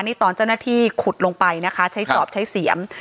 นี่ตอนเจ้าหน้าที่ขุดลงไปนะคะใช้จอบใช้เสียม